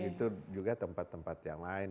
itu juga tempat tempat yang lain